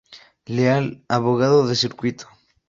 Leal, abogado de circuito.